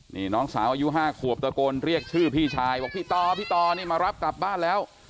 นี่น้องสาวอายุ๕ขวบตะโกนเรียกชื่อพี่ชายบอกพี่ต่อพี่ต่อนี่มารับกลับบ้านแล้ว